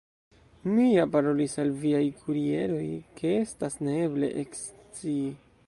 Mi ja parolis al viaj kurieroj, ke estas neeble ekscii.